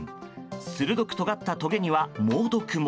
鋭くとがったとげには猛毒も。